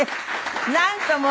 なんとも。